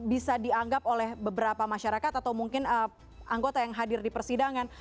bisa dianggap oleh beberapa masyarakat atau mungkin anggota yang hadir di persidangan